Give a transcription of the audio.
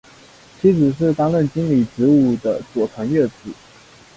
妻子是担任经理职务的佐藤悦子。